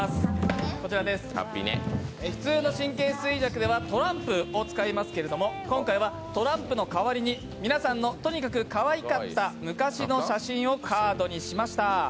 普通の神経衰弱ではトランプを使いますけれども、今回はトランプの代わりに皆さんのとにかくかわいかった昔の写真をカードにしました。